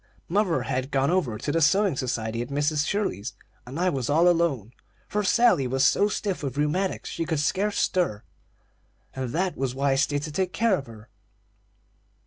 "Mother had gone over to the sewing society at Mrs. Shirley's, and I was all alone; for Sally was so stiff with rheumatics she could scarce stir, and that was why I stayed to take care of her.